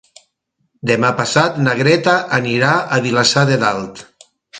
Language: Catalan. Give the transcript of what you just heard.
Demà passat na Greta anirà a Vilassar de Dalt.